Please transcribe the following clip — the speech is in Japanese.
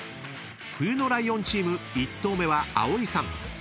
［冬のライオンチーム１投目は葵さん］